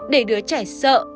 để đứa trẻ sợ